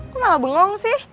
kok malah bengong sih